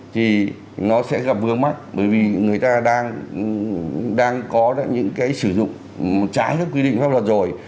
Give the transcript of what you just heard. thì nó sẽ gặp vương mắt bởi vì người ta đang có những cái sử dụng trái với quy định pháp luật rồi